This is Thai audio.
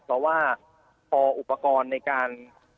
เพราะว่าพออุปกรณ์ในการ